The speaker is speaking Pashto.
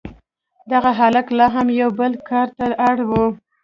دغه هلک لا هم یو بل کار ته اړ و